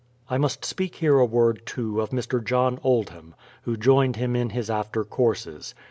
I must speak here a word, too, of Mr. John Oldham, who joined him in his after courses.